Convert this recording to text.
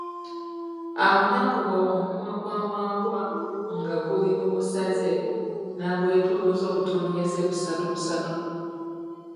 Awo n'akuba omumwa gwa Wambwa nga guli mu busaze n'agwetolooza obutonyezze, busatu busatu.